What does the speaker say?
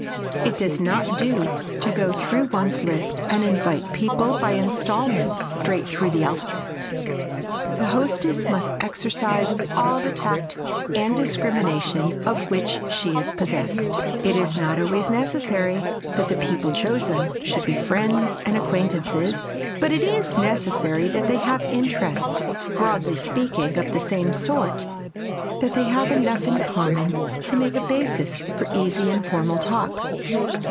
It does not do to go through one's list and invite people, by instalments, straight through the alphabet. The hostess must exercise all the tact and discrimination of which she is possessed. It is not always necessary that the people chosen should be friends and acquaintances but it is necessary that they have interests, broadly speaking, of the same sort, that they have enough in common to make a basis for easy informal talk.